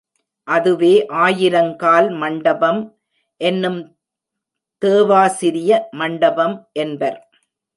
அதுவே ஆயிரங்கால் மண்டபம் என்னும் தேவாசிரிய மண்டபம் என்பர்.